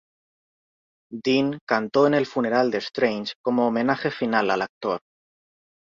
Dean cantó en el funeral de Strange como homenaje final al actor.